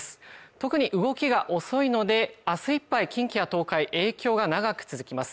特に動きが遅いので明日いっぱい近畿や東海影響が長く続きます